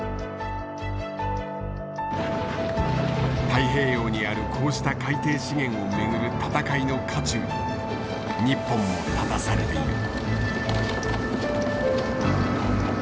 太平洋にあるこうした海底資源をめぐる闘いの渦中に日本も立たされている。